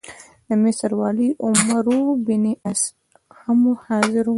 د مصر والي عمروبن عاص هم حاضر وو.